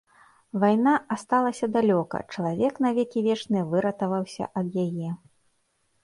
Вайна асталася далёка, чалавек на векі вечныя выратаваўся ад яе.